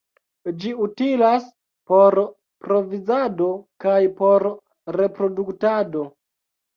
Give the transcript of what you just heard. Ĝi utilas por provizado kaj por reproduktado.